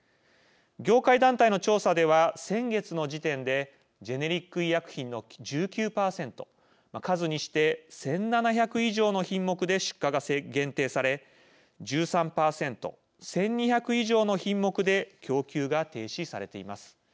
業界団体の調査では先月の時点でジェネリック医薬品の１９％数にして１７００以上の品目で出荷が限定され１３％、１２００以上の品目で供給が停止されています。